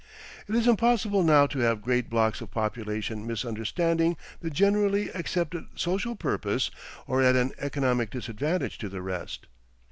It is impossible now to have great blocks of population misunderstanding the generally accepted social purpose or at an economic disadvantage to the rest.